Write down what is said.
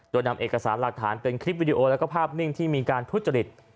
โดยนำเอกสารหลักฐานเป็นคลิปวิดีโอแล้วก็ภาพนิ่งที่มีการทุจริต